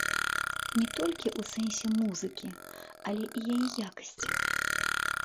Не толькі у сэнсе музыкі, але і яе якасці.